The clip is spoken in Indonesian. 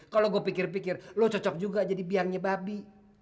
kalau gue pikir pikir lo cocok juga jadi biangnya babi